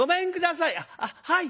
「あっはい。